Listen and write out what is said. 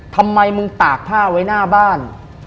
ทำไมมึงตากผ้าไว้หน้าบ้าน